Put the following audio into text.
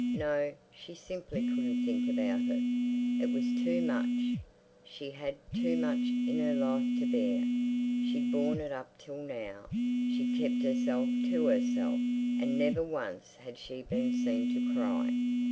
No, she simply couldn't think about it. It was too much—she'd had too much in her life to bear. She'd borne it up till now, she'd kept herself to herself, and never once had she been seen to cry.